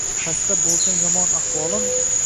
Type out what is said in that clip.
Xasta bulsang yomon ahvolim